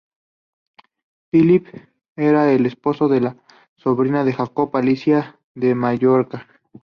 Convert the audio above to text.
Philip era el esposo de la sobrina de Jacobo, Alicia de Mallorca.